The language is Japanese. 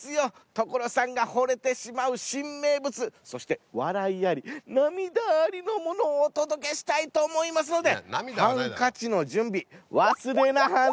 所さんがほれてしまう新名物そして笑いあり涙ありのものをお届けしたいと思いますので。